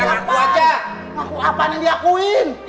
apaan yang diakuin